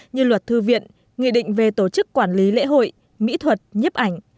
như luật thư viện nghị định về tổ chức quản lý lễ hội mỹ thuật nhiếp ảnh